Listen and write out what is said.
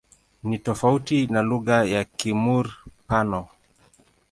Ni tofauti na lugha ya Kimur-Pano.